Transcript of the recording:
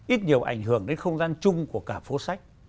ít nhiều ảnh hưởng đến không gian chung của cả phố sách